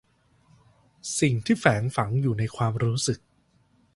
สิ่งที่แฝงฝังในความรู้สึก